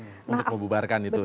untuk membubarkan itu ya